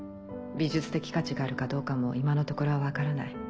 美術的価値があるかどうかも今のところは分からない。